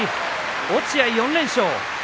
落合、４連勝です。